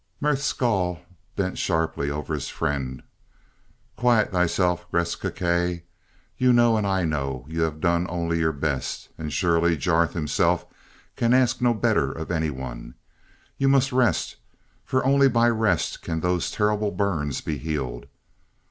Merth Skahl bent sharply over his friend. "Quiet thyself, Gresth Gkae. You know, and I know, you have done only your best, and surely Jarth himself can ask no better of any one. You must rest, for only by rest can those terrible burns be healed.